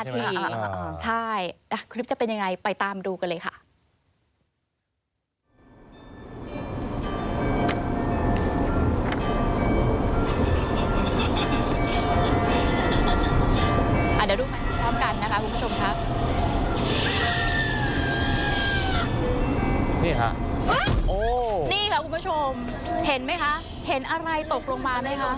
นี่ค่ะคุณผู้ชมเห็นไหมคะเห็นอะไรตกลงมานะค่ะ